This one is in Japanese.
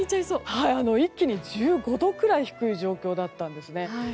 一気に１５度くらい低い状況だったんですね。